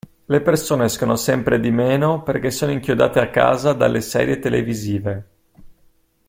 Le persone escono sempre di meno perché sono inchiodate a casa dalle serie televisive.